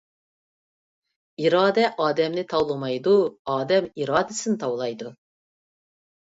ئىرادە ئادەمنى تاۋلىمايدۇ، ئادەم ئىرادىسىنى تاۋلايدۇ!